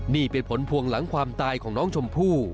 นี่เป็นผลพวงหลังความตายของน้องชมพู่